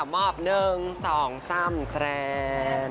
มอบ๑๒๓แครน